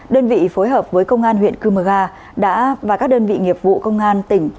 đơn vị phối hợp với công an huyện cư mờ ga đã và các đơn vị nghiệp vụ công an tỉnh